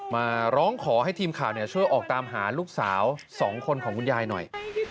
มาร้องขอให้ทีมข่าวช่วยออกตามหาลูกสาว๒คนของคุณยายหน่อย